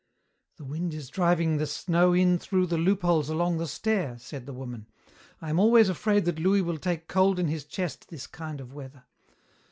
"The wind is driving the snow in through the loopholes along the stair," said the woman. "I am always afraid that Louis will take cold in his chest this kind of weather.